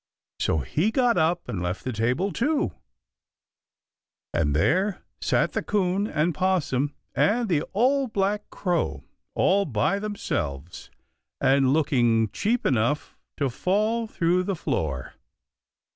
So he got up and left the table, too, and there sat the 'Coon and 'Possum and the Old Black Crow all by themselves and looking cheap enough to fall through the floor.